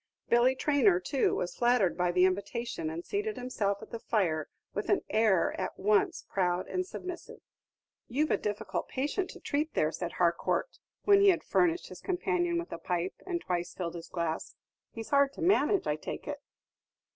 Billy Traynor, too, was flattered by the invitation, and seated himself at the fire with an air at once proud and submissive. "You've a difficult patient to treat there," said Harcourt, when he had furnished his companion with a pipe, and twice filled his glass; "he's hard to manage, I take it?"